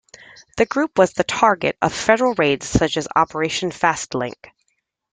The group was the target of federal raids such as Operation Fastlink.